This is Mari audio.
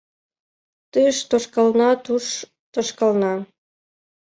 Тыш тошкална, туш тошкална